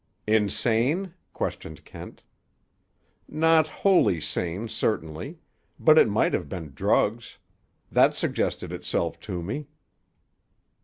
"Insane?" questioned Kent. "Not wholly sane, certainly; but it might have been drugs. That suggested itself to me."